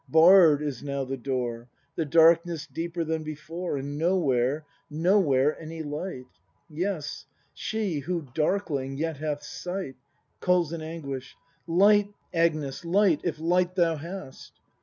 Barr'd is now the door. The darkness deeper than before, And nowhere, nowhere any light! Yes, She — who, darkling, yet hath sight — [Calls in anguish.] Light, Agnes — light, if light thou hast!